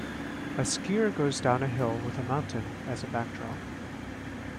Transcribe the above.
A skier goes down a hill with a mountain as a backdrop.